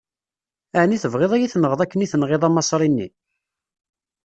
Ɛni tebɣiḍ ad yi-tenɣeḍ akken i tenɣiḍ Amaṣri-nni?